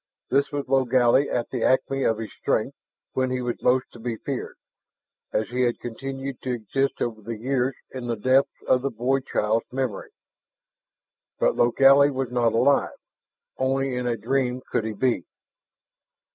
This was Logally at the acme of his strength, when he was most to be feared, as he had continued to exist over the years in the depths of a boy child's memory. But Logally was not alive; only in a dream could he be.